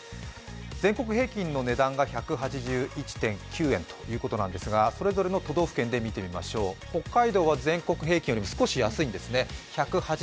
全国平均の値段が１８１．９円ということですがそれぞれの都道府県で見てみましょう北海道は全国平均よりちょっと安いんですね。